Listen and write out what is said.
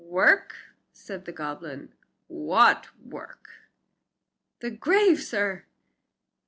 "Work!" said the goblin, "what work?" "The grave, sir."